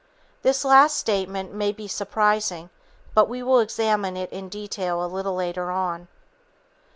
This last statement may be surprising, but we will examine it in detail a little later on.